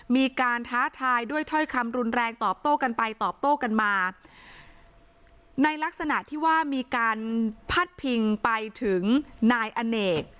มีการท้าทายด้วยถ้อยคำรุนแรงตอบโต้กันไปตอบโต้กันมาในลักษณะที่ว่ามีการพาดพิงไปถึงนายอเนก